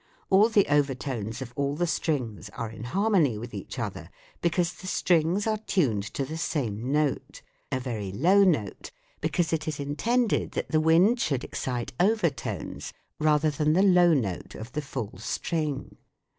All the overtones of all the strings are in harmony with each other, because the strings are tuned to the same note a very low note, because it is intended that the wind should excite overtones rather than the low note of the full string.